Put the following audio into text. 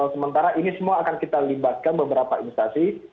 sementara ini semua akan kita libatkan beberapa instansi